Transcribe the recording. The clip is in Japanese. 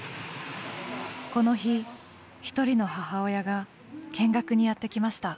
この日一人の母親が見学にやって来ました。